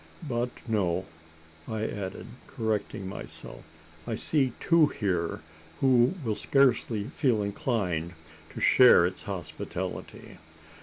But no," I added, correcting myself "I see two here who will scarcely feel inclined to share its hospitality.